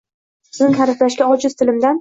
Sizni tariflashga ojiz tilimdan